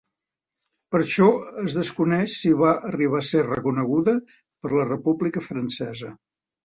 Per això, es desconeix si va arribar a ser reconeguda per la República Francesa.